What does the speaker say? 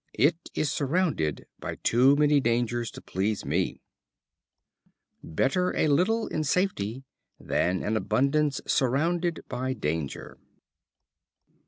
It is surrounded by too many dangers to please me." Better a little in safety, than an abundance surrounded by danger.